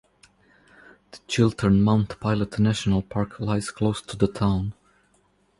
The Chiltern-Mount Pilot National Park lies close to the town.